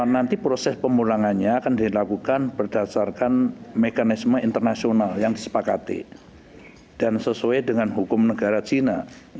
nanti proses pemulangannya akan dilakukan berdasarkan mekanisme internasional yang disepakati dan sesuai dengan hukum negara cina